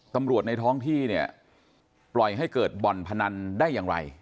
ในท้องที่เนี่ยปล่อยให้เกิดบ่อนพนันได้อย่างไร